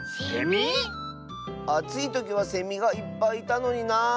あついときはセミがいっぱいいたのになあ。